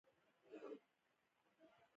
د حیواناتو پالنه د ښکار له ابتدايي حالته وشوه.